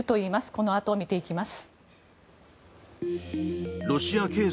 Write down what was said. このあと見ていきます。